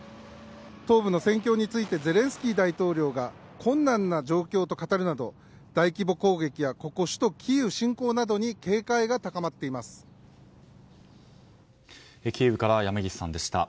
東部の戦況についてゼレンスキー大統領が困難な状況と語るなど大規模攻撃やここ首都キーウ侵攻などにキーウから山岸さんでした。